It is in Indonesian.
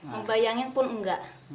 membayangin pun enggak